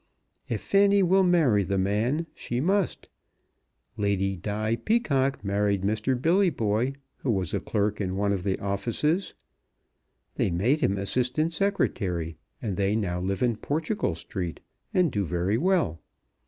If Fanny will marry the man she must. Lady Di Peacocke married Mr. Billyboy, who was a clerk in one of the offices. They made him Assistant Secretary, and they now live in Portugal Street and do very well.